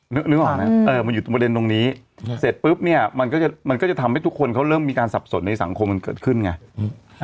นึกออกไหมมันอยู่ตรงประเด็นตรงนี้เสร็จปุ๊บเนี่ยมันก็จะมันก็จะทำให้ทุกคนเขาเริ่มมีการสับสนในสังคมมันเกิดขึ้นไง